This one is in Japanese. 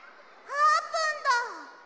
あーぷん。